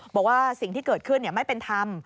บอกว่าสิ่งที่เกิดขึ้นไม่เป็นธรรม